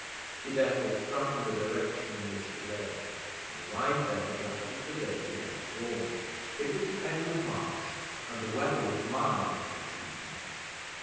He therefore struck out in the direction in which it lay, and arrived there just as the day began to dawn. It was the end of March, and the weather was mild for the season.